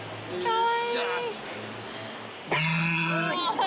はい。